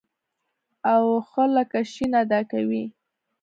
او ښ لکه ش ادا کوي.